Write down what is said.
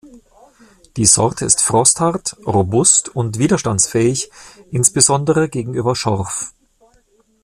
Die Sorte ist frosthart, robust und widerstandsfähig, insbesondere gegenüber Schorf.